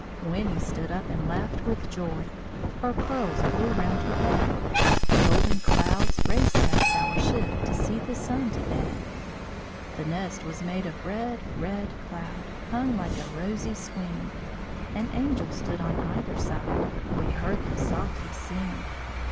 Winnie stood up and laughed with joy; Her curls blew round her head. The golden clouds raced past our ship, To see the Sun to bed. The nest was made of red, red cloud, Hung like a rosy swing: An angel stood on either side We heard them softly sing.